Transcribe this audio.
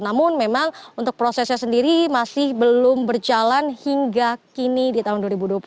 namun memang untuk prosesnya sendiri masih belum berjalan hingga kini di tahun dua ribu dua puluh satu